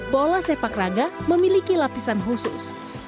bola sepak raga memiliki lapisan khusus